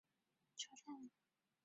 川崎新町站的铁路车站。